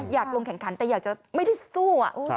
อยากลงแข่งขันแต่อยากจะไม่ได้สู้